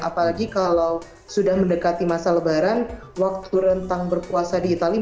apalagi kalau sudah mendekati masa lebaran waktu rentang berpuasa di itali